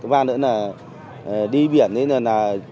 ba nữa là đi biển